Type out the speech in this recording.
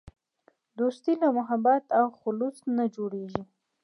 دوستي له محبت او خلوص نه جوړیږي.